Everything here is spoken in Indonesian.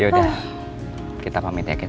yaudah kita pamit ya kat